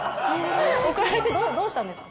送られてどうしたんですか？